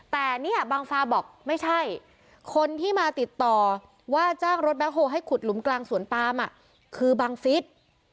แต่เนี่ยบังฟาบอกไม่ใช่คนที่มาติดต่อว่าจ้างรถแบ็คโฮลให้ขุดหลุมกลางสวนปามคือบังฟิศ